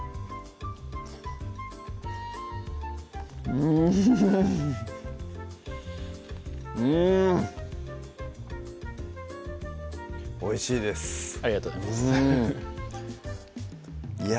うんうんおいしいですありがとうございますいや